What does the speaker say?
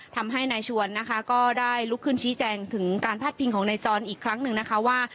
ทำให้นายชวนนะคะก็ได้ลุกขึ้นชี้แจงถึงการพาดพิงของนายจรอีกครั้งหนึ่งนะคะว่า